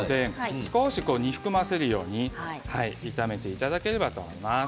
少し煮含ませるように炒めていただければと思います。